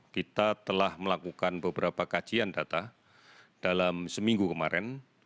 kita telah melakukan beberapa kajian data dalam seminggu kemarin